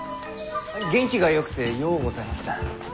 元気がよくてようございますな。